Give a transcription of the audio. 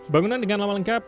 bangunan dengan lama lengkap